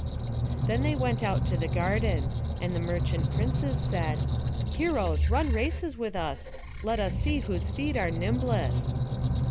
Then they went out to the garden; and the merchant princes said: "Heroes, run races with us. Let us see whose feet are nimblest."